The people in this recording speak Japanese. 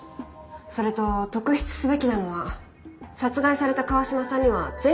それと特筆すべきなのは殺害された川島さんには前科があるということです。